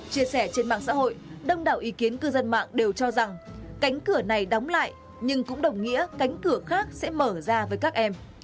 chia sẻ trên mạng xã hội đông đảo ý kiến cư dân mạng đều cho rằng cánh cửa này đóng lại nhưng cũng đồng nghĩa cánh cửa khác sẽ mở ra với các em